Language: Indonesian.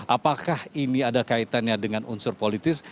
apakah ini ada kaitannya dengan unsur politis